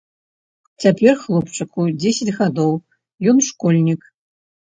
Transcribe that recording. Цяпер хлопчыку дзесяць гадоў, ён школьнік.